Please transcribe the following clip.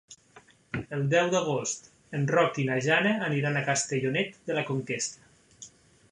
El deu d'agost en Roc i na Jana aniran a Castellonet de la Conquesta.